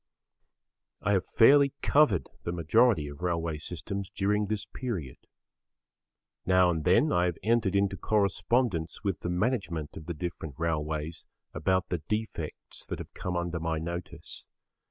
I have fairly covered the majority of railway systems during this period. Now and then I have entered into correspondence with the management of the different railways about the defects that have come under my notice.